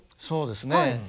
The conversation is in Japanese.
そうですね。